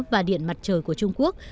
và điện mặt trời của trung quốc